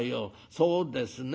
そうですね